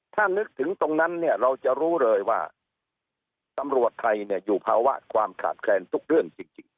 ถ้านึกถึงตรงนั้นเนี่ยเราจะรู้เลยว่าตำรวจไทยเนี่ยอยู่ภาวะความขาดแคลนทุกเรื่องจริง